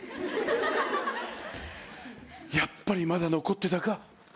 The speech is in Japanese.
やっぱりまだ残っていたか。